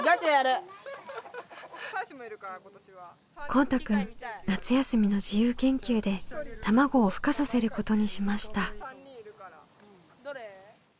こうたくん夏休みの自由研究で卵をふ化させることにしました。